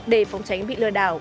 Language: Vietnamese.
đề phòng tránh bị lừa đảo